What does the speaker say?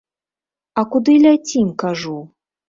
А куды ляцім, кажу?